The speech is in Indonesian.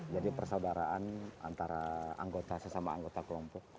jadi persaudaraan antara anggota saya sama anggota pak